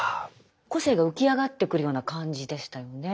個性が浮き上がってくるような感じでしたよね。